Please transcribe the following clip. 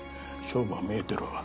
勝負は見えてるわ。